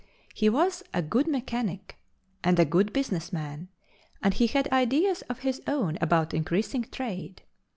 He was a good mechanic, and a good business man, and he had ideas of his own about increasing trade.